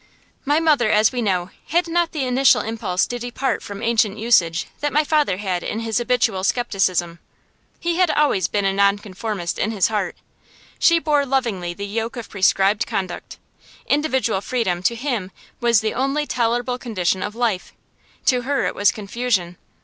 My mother, as we know, had not the initial impulse to depart from ancient usage that my father had in his habitual scepticism. He had always been a nonconformist in his heart; she bore lovingly the yoke of prescribed conduct. Individual freedom, to him, was the only tolerable condition of life; to her it was confusion.